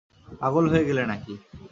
পাগল হয়ে গেলে নাকি?